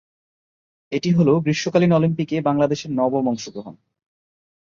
এটি হল গ্রীষ্মকালীন অলিম্পিকে বাংলাদেশের নবম অংশগ্রহণ।